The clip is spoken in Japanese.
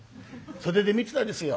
袖で見てたんですよ